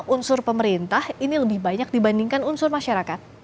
unsur pemerintah ini lebih banyak dibandingkan unsur masyarakat